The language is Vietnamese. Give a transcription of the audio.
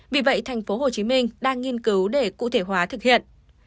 vì vậy tp hcm đang nghiên cứu để cụ thể hóa thực hiện